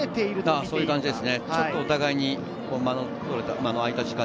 そういう感じですね。